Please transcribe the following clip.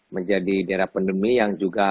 menjadi daerah pandemi yang juga